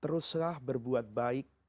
teruslah berbuat baik